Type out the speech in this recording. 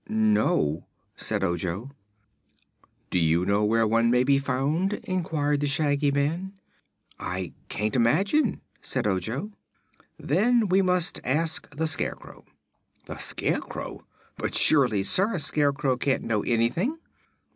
"No," said Ojo. "Do you know where one may be found?" inquired the Shaggy Man. "I can't imagine," said Ojo. "Then we must ask the Scarecrow." "The Scarecrow! But surely, sir, a scarecrow can't know anything."